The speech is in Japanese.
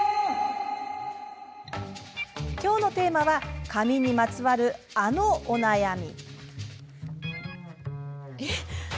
きょうのテーマは髪にまつわる、あのお悩み。